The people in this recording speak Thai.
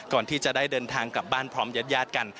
ก่อนที่จะได้เดินทางกลับบ้านพร้อมญาติญาติกัน